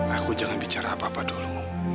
aku jangan bicara apa apa dulu